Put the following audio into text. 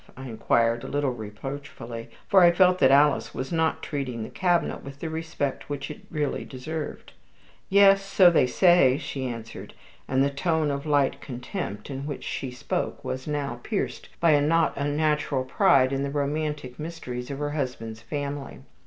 I inquired a little reproachfully, for I felt that Lucy was not treating the cabinet with the respect which it really deserved. "Yes, so they say," she answered; and the tone of light contempt in which she spoke was now pierced by a not unnatural pride in the romantic mysteries of her husband's family.